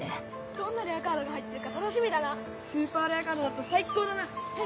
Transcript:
どんなレアカードが入ってるか楽しみだなスーパーレアカードだと最高だな！